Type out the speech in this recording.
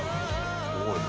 すごいね。